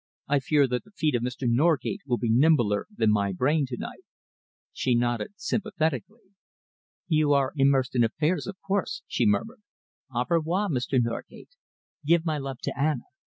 I fear that the feet of Mr. Norgate will be nimbler than my brain to night." She nodded sympathetically. "You are immersed in affairs, of course," she murmured. "Au revoir, Mr. Norgate! Give my love to Anna.